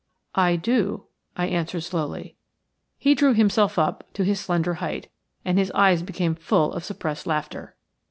"I do," I answered, slowly. He drew himself up to his slender height, and his eyes became full of suppressed laughter.